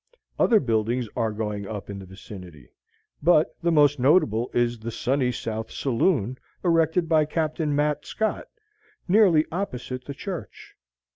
Other buildings are going up in the vicinity, but the most noticeable is the 'Sunny South Saloon,' erected by Captain Mat. Scott, nearly opposite the church.